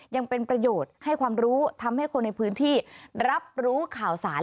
ยังเป็นประโยชน์ให้ความรู้ทำให้คนในพื้นที่รับรู้ข่าวสาร